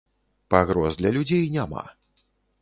Пагроз для людзей няма.